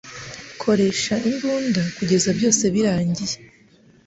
koresha imbunda kugeza byose birangiye